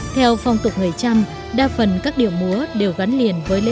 theo phong tục người trăm đa phần các điệu múa đều gắn liền với lễ hội